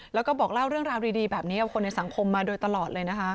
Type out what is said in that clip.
แล้วก็บอกเล่าเรื่องราวดีแบบนี้กับคนในสังคมมาโดยตลอดเลยนะคะ